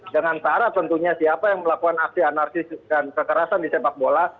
dengan cara tentunya siapa yang melakukan aksi anarkis dan kekerasan di sepak bola